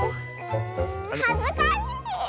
はずかしいよ！